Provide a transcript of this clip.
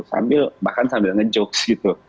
sambil bahkan sambil ngejokes gitu